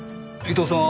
伊藤さん